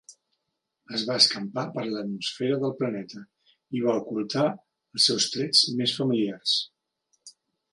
Es va escampar per l'atmosfera del planeta i va ocultar els seus trets més familiars.